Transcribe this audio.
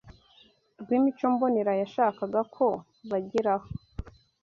rw’imico mbonera yashakaga ko bageraho